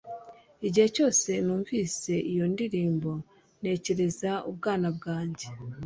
Igihe cyose numvise iyo ndirimbo ntekereza ubwana bwanjye